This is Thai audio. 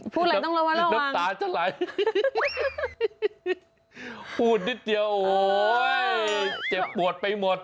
พูดนิดเดี๋ยวโหวทำเป็นเจ็บปวดไปหมด